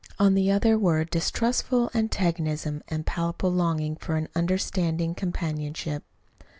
On the other were a distrustful antagonism and a palpable longing for an understanding companionship.